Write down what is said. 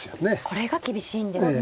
これが厳しいんですね。